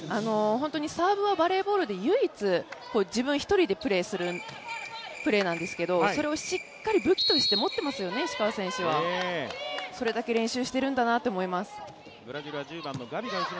サーブはバレーボールで唯一、自分１人でプレーするプレーなんですけどそれをしっかり武器として持ってますよね、石川選手は。それだけ練習してるんだなと思います。